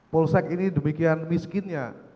polsek ini demikian miskinnya